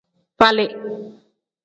Falii.